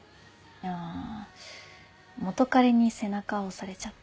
いや元カレに背中押されちゃって。